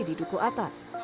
di duko atas